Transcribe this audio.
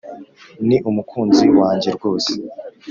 ni umukunzi wange rwose